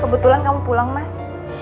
kebetulan kamu pulang mas